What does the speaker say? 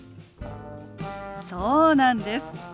そうなんです。